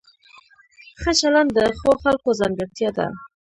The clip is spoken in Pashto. ښه چلند د ښو خلکو ځانګړتیا ده.